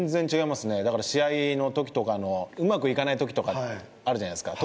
試合の時とかうまくいかない時とかあるじゃないですか。